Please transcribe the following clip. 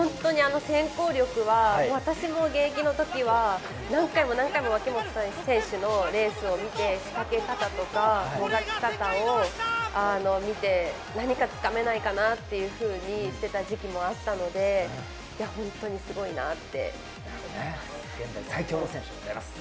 先行力は現役の時は何回も脇本さんにレースを見て仕掛け方とか、もがき方を見て、何か掴めないかなっていうふうにしてた時期もあったので、本当にすごいなって思います。